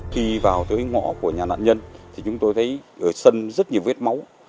khi vào tới ngõ của nhà nạn nhân thì chúng tôi thấy ở sân rất nhiều vết máu